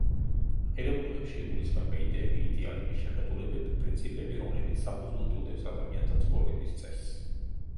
ღირებულებებში იგულისხმება იდეები, იდეალები, შეხედულებები, პრინციპები, რომლებიც საფუძვლად უდევს ადამიანთა ცხოვრების წესს.